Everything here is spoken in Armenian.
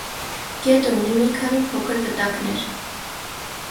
Գետը ունի մի քանի փոքր վտակներ։